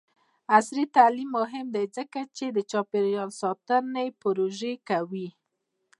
عصري تعلیم مهم دی ځکه چې د چاپیریال ساتنې پروژې کوي.